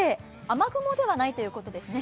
雨雲ではないということですね。